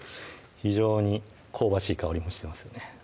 非常に香ばしい香りもしてます